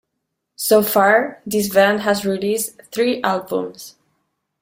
So far, this band has released three albums.